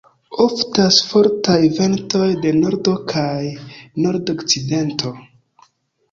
Oftas fortaj ventoj de nordo kaj nord-okcidento.